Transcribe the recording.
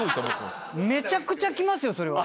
めちゃくちゃ来ますよそれは。